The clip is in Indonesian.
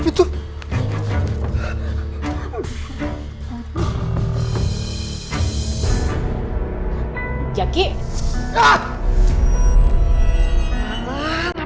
bukan gak mungkin